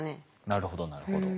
なるほどなるほど。